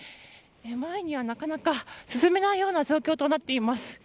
前には、なかなか進めない状況となっています。